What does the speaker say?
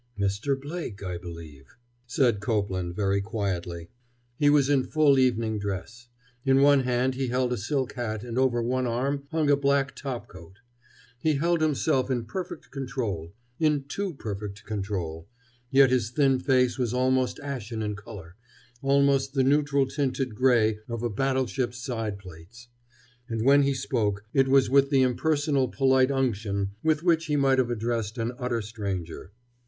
"Mr. Blake, I believe," said Copeland, very quietly. He was in full evening dress. In one hand he held a silk hat and over one arm hung a black top coat. He held himself in perfect control, in too perfect control, yet his thin face was almost ashen in color, almost the neutral tinted gray of a battle ship's side plates. And when he spoke it was with the impersonal polite unction with which he might have addressed an utter stranger.